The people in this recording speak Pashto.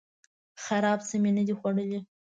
خراب څه می نه دي خوړلي